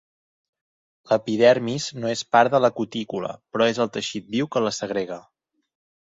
L'epidermis no és part de la cutícula, però és el teixit viu que la segrega.